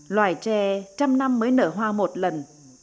loài tre trăm năm mới nở hoa một lần